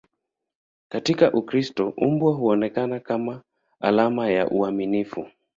Katika Ukristo, mbwa huonekana kama alama ya uaminifu.